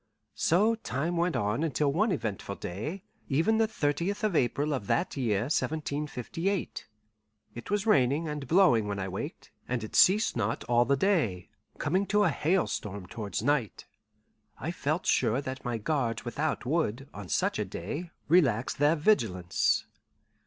So time went on until one eventful day, even the 30th of April of that year 1758. It was raining and blowing when I waked, and it ceased not all the day, coming to a hailstorm towards night. I felt sure that my guards without would, on such a day, relax their vigilance.